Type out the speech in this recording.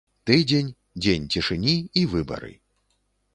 Тыдзень, дзень цішыні і выбары.